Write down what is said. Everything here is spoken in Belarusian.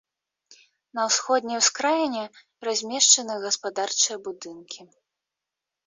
На ўсходняй ускраіне размешчаны гаспадарчыя будынкі.